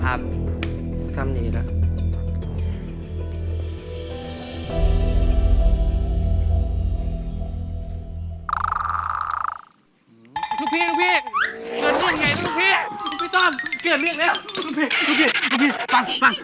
ลูกพี่ลูกพี่ฟังฟัง